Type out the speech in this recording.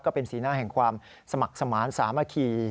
ก็เป็นสีหน้าแห่งความสมัครสมาร์นสามัคคี